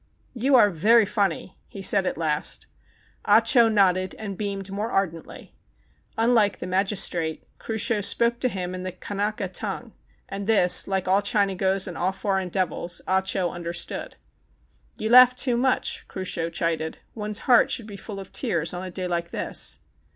"You are very funny," he said at last. Ah Cho nodded and beamed more ardently. Unlike the magistrate, Cruchot spoke to him in the Kanaka tongue, and this, like all China gos and all foreign devils. Ah Cho understood. THE CHINAGO 171 "You lau^h too much," Cruchot chided. "One's heart should be full of tears on a day like this."